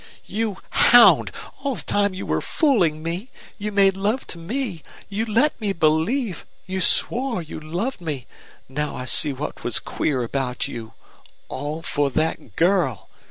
"You hound! All the time you were fooling me! You made love to me! You let me believe you swore you loved me! Now I see what was queer about you. All for that girl!